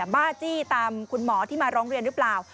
บ้าจี้ตามคุณหมอที่มาร้องเรียนหรือเปล่า